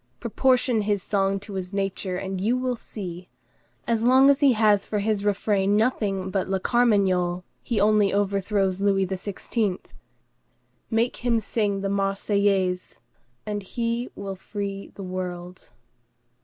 Proportion his song to his nature, and you will see! As long as he has for refrain nothing but la Carmagnole, he only overthrows Louis XVI.; make him sing the Marseillaise, and he will free the world.